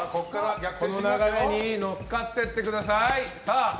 この流れに乗っかってってください。